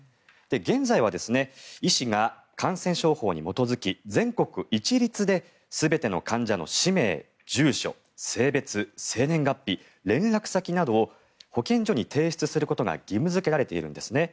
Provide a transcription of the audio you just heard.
現在は医師が感染症法に基づき全国一律で全ての患者の氏名、住所、性別生年月日、連絡先などを保健所に提出することが義務付けられているんですね。